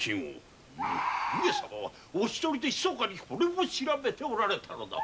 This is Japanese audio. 上様はお一人でひそかにこれを調べておられたのだ。